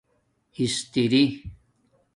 استرݵ